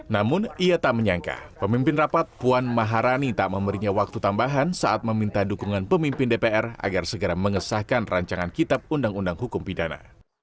namun ia tak menyangka pemimpin rapat puan maharani tak memberinya waktu tambahan saat meminta dukungan pemimpin dpr agar segera mengesahkan rancangan kitab undang undang hukum pidana